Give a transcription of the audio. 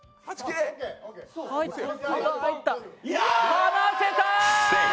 離せた！